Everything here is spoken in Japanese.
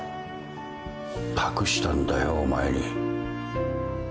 託したんだよお前に。